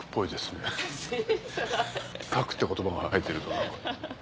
「裂く」って言葉が入ってると。